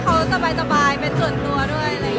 ขอบคุณครับรับมาบ้านกันหิวน้อง